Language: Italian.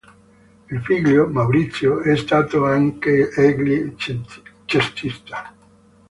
Il figlio, Maurizio, è stato anch'egli cestista.